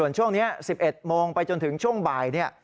ส่วนช่วงนี้๑๑โมงไปจนถึงช่วงบ่ายเนี่ย